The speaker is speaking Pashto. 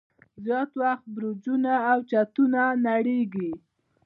زیات وخت برجونه او چتونه نړیږي.